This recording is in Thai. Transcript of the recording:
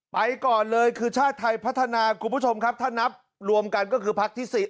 ไปก่อนเลยคือชาติไทยพัฒนาคุณผู้ชมครับถ้านับรวมกันก็คือพักที่๔